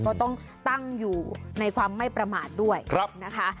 ก็ต้องตั้งอยู่ในความไม่ประมาทด้วยนะคะ